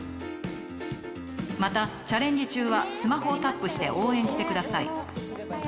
またチャレンジ中はスマホをタップして応援してください。